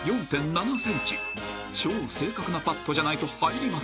［超正確なパットじゃないと入りません］